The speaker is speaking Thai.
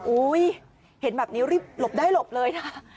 เห็นแบบนี้รีบหลบได้หลบเลยนะ